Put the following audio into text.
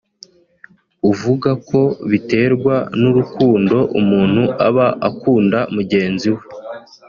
uvuga ko biterwa n’urukundo umuntu aba akunda mugenzi we